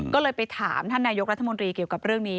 ก็เลยไปถามท่านนายกรัฐมนตรีเกี่ยวกับเรื่องนี้